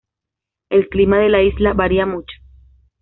El clima de la isla varía mucho.